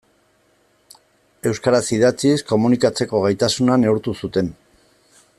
Euskaraz idatziz komunikatzeko gaitasuna neurtu zuten.